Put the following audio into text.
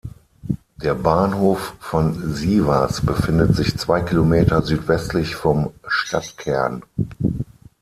Der Bahnhof von Sivas befindet sich zwei Kilometer südwestlich vom Stadtkern.